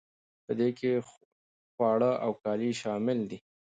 په دې کې خواړه او کالي شامل دي.